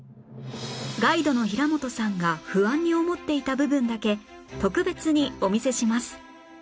ガイドの平本さんが不安に思っていた部分だけ特別にお見せします